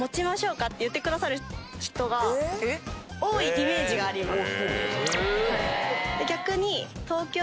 イメージがあります。